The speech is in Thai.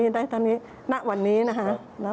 ได้เท่านี้ณวันนี้นะครับ